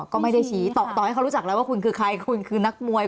ก็ไม่ได้ชี้ต่อให้เขารู้จักแล้วว่าคุณคือใครคุณคือนักมวย